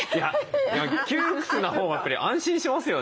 窮屈なほうがやっぱり安心しますよね。